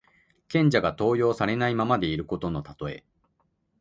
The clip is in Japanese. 賢者が登用されないままでいることのたとえ。